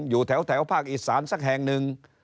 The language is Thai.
อยู่แถวภาคอีสานสักแห่งหนึ่ง